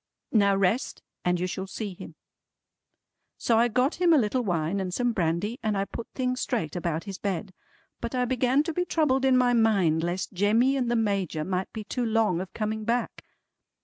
"Now rest, and you shall see him." So I got him a little wine and some brandy, and I put things straight about his bed. But I began to be troubled in my mind lest Jemmy and the Major might be too long of coming back.